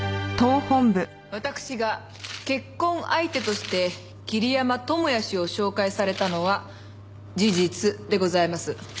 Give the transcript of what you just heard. わたくしが結婚相手として桐山友哉氏を紹介されたのは事実でございます。